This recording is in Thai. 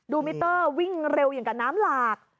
มิเตอร์วิ่งเร็วอย่างกับน้ำหลาก